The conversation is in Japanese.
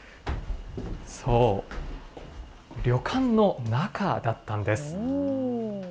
そう、旅館の中だったんです。